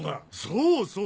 そうそう！